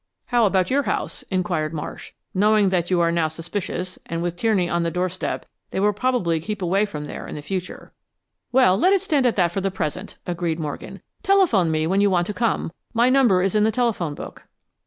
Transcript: "How about your house?" inquired Marsh. "Knowing that you are now suspicious, and with Tierney on the doorstep, they will probably keep away from there in the future." "Well, let it stand at that for the present," agreed Morgan. "Telephone me when you want to come. My number is in the telephone book."